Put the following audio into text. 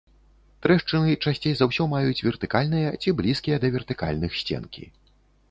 Трэшчыны часцей за ўсё маюць вертыкальныя, ці блізкія да вертыкальных сценкі.